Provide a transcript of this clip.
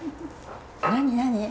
何何？